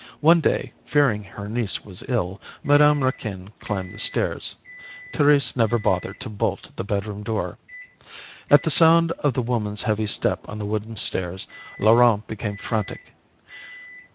One day, fearing her niece was ill, Madame Raquin climbed the stairs. Thérèse never bothered to bolt the bedroom door. At the sound of the woman's heavy step on the wooden stairs, Laurent became frantic.